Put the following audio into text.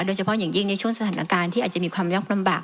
โดยเฉพาะอย่างยิ่งในช่วงสถานการณ์ที่อาจจะมีความยากลำบาก